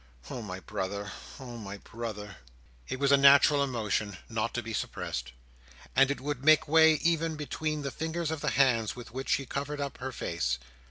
Oh my brother! oh my brother!" It was a natural emotion, not to be suppressed; and it would make way even between the fingers of the hands with which she covered up her face.